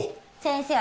先生